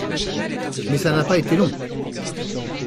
Mais ça n'a pas été long.